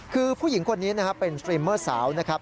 คือผู้หญิงคนนี้เป็นสตรีมเมื่อสาวนะครับ